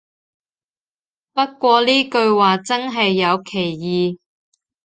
不過呢句話真係有歧義